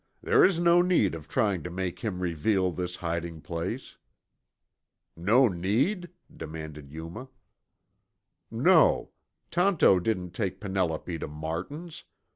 "There is no need of trying to make him reveal this hiding place." "No need?" demanded Yuma. "No. Tonto didn't take Penelope to Martin's.